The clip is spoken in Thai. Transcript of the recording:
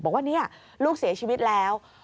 บอกว่าเนี่ยลูกเสียชีวิตแล้ว